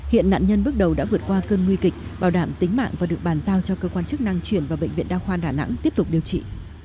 hiện nạn nhân bước đầu đã vượt qua cơn nguy kịch bảo đảm tính mạng và được bàn giao cho cơ quan chức năng chuyển vào bệnh viện đa khoa đà nẵng tiếp tục điều trị